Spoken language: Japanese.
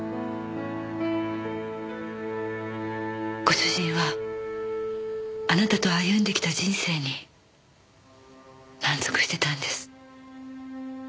ご主人はあなたと歩んできた人生に満足してたんです。